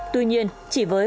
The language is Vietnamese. tuy nhiên chỉ với